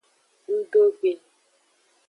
Ngdo gbe.